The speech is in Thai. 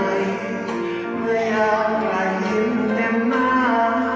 ใครจะมือใครจะยิ้มเต็มหน้า